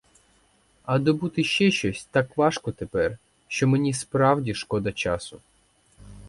А добути ще щось так важко тепер, що мені, справді, шкода часу.